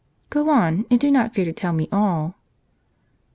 " Go on, and do not fear to tell me all."